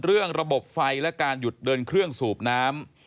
ระบบไฟและการหยุดเดินเครื่องสูบน้ำ